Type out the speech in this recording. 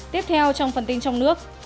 tiếp theo trong phần tin trong nước